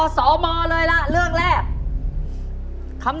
สวัสดีครับ